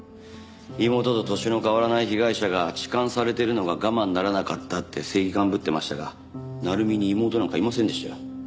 妹と年の変わらない被害者が痴漢されてるのが我慢ならなかったって正義漢ぶってましたが鳴海に妹なんかいませんでしたよ。